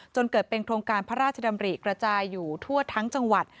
จนเกิดเป็นโครงการพระราชดำริกระจายอยู่ทั่วทั้งจังหวัด